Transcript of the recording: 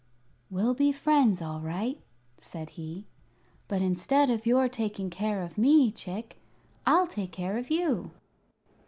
"We'll be friends, all right," said he; "but instead of your taking care of me, Chick, I'll take care of you."